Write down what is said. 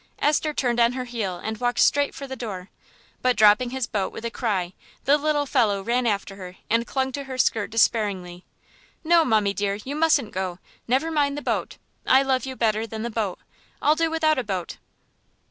Esther turned on her heel and walked straight for the door. But dropping his boat with a cry, the little fellow ran after her and clung to her skirt despairingly. "No, mummie dear, you mustn't go; never mind the boat; I love you better than the boat I'll do without a boat."